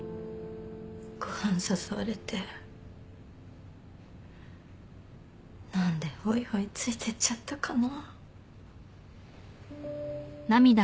ご飯誘われて何でほいほいついてっちゃったかな。